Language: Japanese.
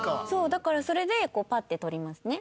だからそれでこうパッて取りますね。